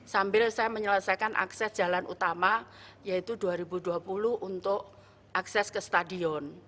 sambil saya menyelesaikan akses jalan utama yaitu dua ribu dua puluh untuk akses ke stadion